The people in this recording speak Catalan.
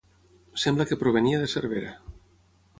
Sembla que provenia de Cervera.